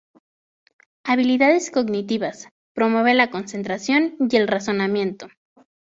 Habilidades Cognitivas: Promueve la concentración y el razonamiento.